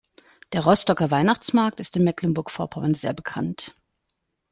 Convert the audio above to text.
Der Rostocker Weihnachtsmarkt ist in Mecklenburg-Vorpommern sehr bekannt.